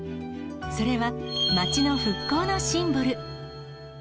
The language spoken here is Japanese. それは町の復興のシンボル。